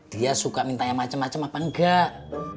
dia suka minta yang macem macem apa enggak